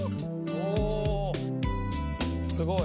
おすごい！